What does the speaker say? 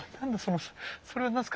それは何ですか？